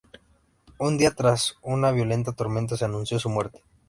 Un día, tras una violenta tormenta, se anunció su muerte.